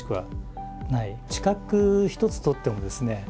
知覚一つとってもですね